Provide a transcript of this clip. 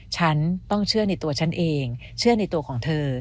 ฉันต้องเชื่อในตัวฉันเองเชื่อในตัวของเธอ